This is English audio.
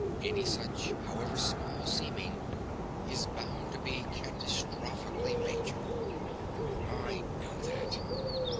Any such, however small seeming, is bound to be catastrophically major."_ _"I know that."